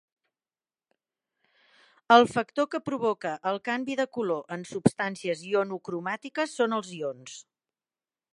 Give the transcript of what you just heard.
El factor que provoca el canvi de color en substàncies ionocromàtiques són els ions.